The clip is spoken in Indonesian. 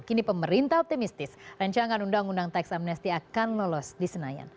kini pemerintah optimistis rancangan undang undang teks amnesty akan lolos di senayan